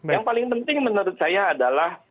yang paling penting menurut saya adalah